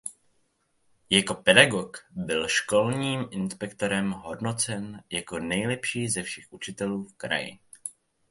Jako pedagog byl školním inspektorem hodnocen jako nejlepší ze všech učitelů v kraji.